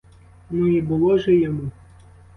Ну, і було же йому!